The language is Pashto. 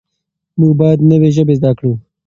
موږ باید نوې ژبې زده کړو.